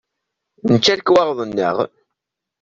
Nečča lekwaɣeḍ-nneɣ.